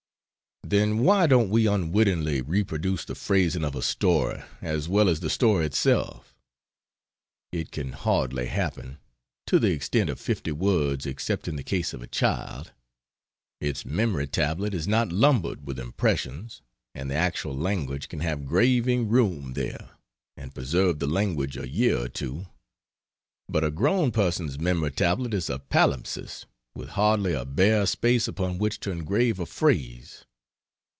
Then why don't we unwittingly reproduce the phrasing of a story, as well as the story itself? It can hardly happen to the extent of fifty words except in the case of a child: its memory tablet is not lumbered with impressions, and the actual language can have graving room there, and preserve the language a year or two, but a grown person's memory tablet is a palimpsest, with hardly a bare space upon which to engrave a phrase.